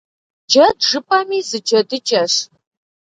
Джэд жыпӏэми зы джэдыкӏэщ.